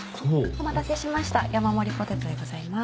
お待たせしました山盛りポテトでございます。